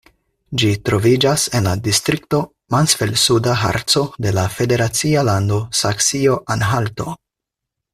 Ĝi troviĝas en la distrikto Mansfeld-Suda Harco de la federacia lando Saksio-Anhalto.